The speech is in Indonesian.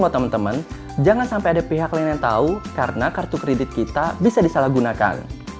buat teman teman jangan sampai ada pihak lain yang tahu karena kartu kredit kita bisa disalahgunakan